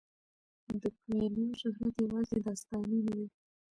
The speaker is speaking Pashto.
د کویلیو شهرت یوازې داستاني نه دی.